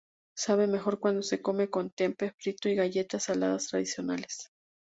Sabe mejor cuando se come con "tempe" frito y galletas saladas tradicionales.